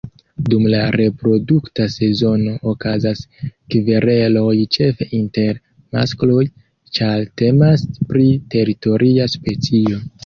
Dum la reprodukta sezono okazas kvereloj ĉefe inter maskloj, ĉar temas pri teritoria specio.